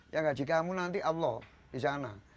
ya gaji kamu nanti allah di sana